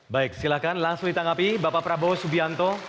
baik silahkan langsung ditanggapi bapak prabowo subianto